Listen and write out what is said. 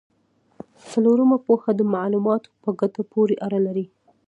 څلورمه پوهه د معلوماتو په ګټه پورې اړه لري.